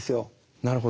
なるほど。